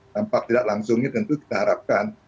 dampak tidak langsungnya tentu kita harapkan